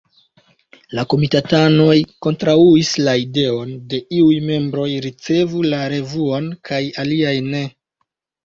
La komitatanoj kontraŭis la ideon ke iuj membroj ricevu la revuon kaj aliaj ne.